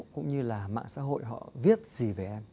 cũng như là mạng xã hội họ viết gì về em